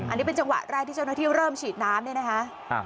อันนี้เป็นจังหวะแรกที่เจ้าหน้าที่เริ่มฉีดน้ำเนี่ยนะคะ